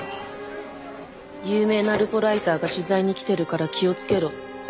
有名なルポライターが取材に来てるから気をつけろ。